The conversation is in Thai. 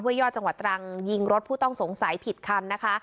ยอดจังหวัดตรังยิงรถผู้ต้องสงสัยผิดคันนะคะ